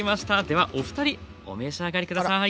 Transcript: ではお二人お召し上がり下さい。